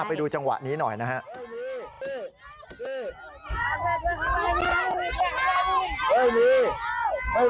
ไปดูจังหวะนี้หน่อยนะครับ